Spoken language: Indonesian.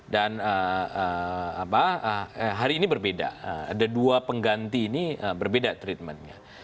dan hari ini berbeda ada dua pengganti ini berbeda treatmentnya